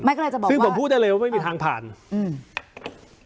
ก็เลยจะบอกซึ่งผมพูดได้เลยว่าไม่มีทางผ่านอืม